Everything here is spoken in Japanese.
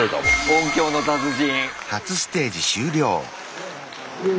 「音響の達人」。